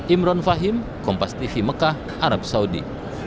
imron fahim kompas tv mekah arab saudi